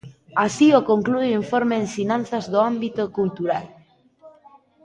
Así o conclúe o informe Ensinanzas do ámbito cultural.